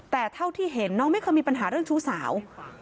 แต่เท่าที่เห็นน้องไม่เคยมีปัญหาเรื่องชู้สาว